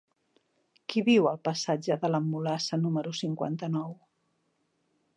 Qui viu al passatge de la Mulassa número cinquanta-nou?